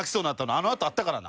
あのあとあったからな。